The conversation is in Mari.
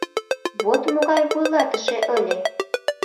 — Вот могай вуйлатыше ыле.